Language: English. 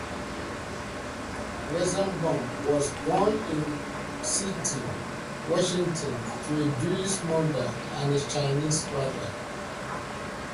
Weizenbaum was born in Seattle, Washington to a Jewish mother and a Chinese father.